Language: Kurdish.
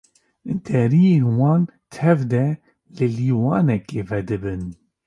Deriyên wan tev de li lîwanekê vedibin.